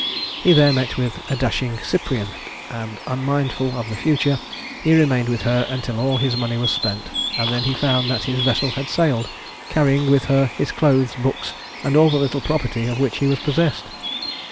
He there met with a dashing Cyprian, and unmindful of the future, he remained with her until all his money was spent; and then he found that his vessel had sailed, carrying with her his clothes, books, and all the little property of which he was possessed.